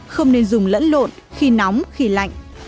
không nên dùng lẫn lộn khi nóng khi lạnh